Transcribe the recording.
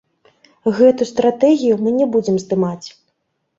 Гэту стратэгію мы не будзем здымаць.